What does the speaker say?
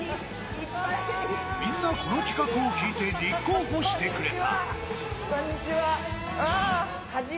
みんな、この企画を聞いて立候補してくれた。